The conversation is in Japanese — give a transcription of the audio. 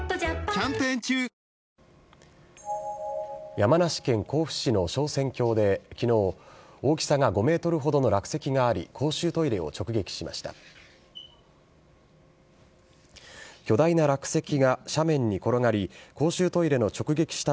山梨県甲府市の昇仙峡できのう、大きさが５メートルほどの落石があり、公衆トイレを直撃しました。